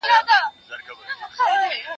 غړومبهارى د ټوپكو د توپو سو